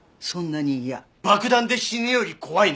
爆弾で死ぬより怖いね！